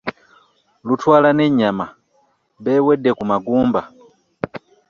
Lutwala n'enyammma b'ewedde ku magumba .